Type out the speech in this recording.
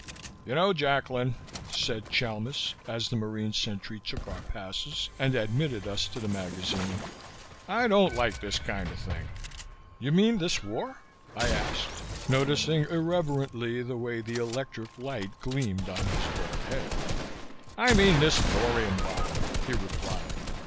"You know, Jacklin," said Chalmis, as the Marine sentry took our passes and admitted us to the magazine, "I don't like this kind of thing." "You mean this war?" I asked, noticing irrelevantly the way the electric light gleamed on his bald head. "I mean this thorium bomb," he replied.